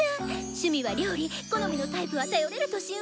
趣味は料理好みのタイプは頼れる年上。